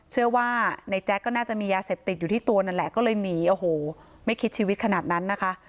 เชื่อว่าในแจ๊กก็น่าจะมียาเสพติดอยู่ที่ตัวนั่นแหละก็เลยหนีโอ้โหไม่คิดชีวิตขนาดนั้นนะคะ